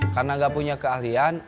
karena gak punya keahlian